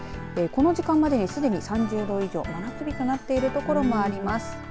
この時間までにすでに３０度以上真夏日となってるところがあります。